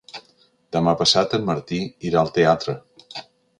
Demà passat en Martí irà al teatre.